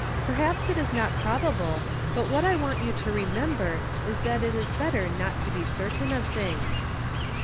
Perhaps it is not probable, but what I want you to remember is that it is better not to be certain of things."